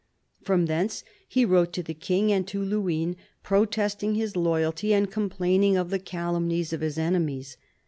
From thence he wrote to the King and to Luynes, protesting his loyalty and complaining of the calumnies of his enemies.